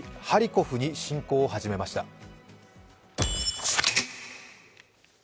ハリコフに侵攻を始めました。